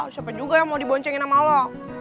siapa juga yang mau diboncengin sama lo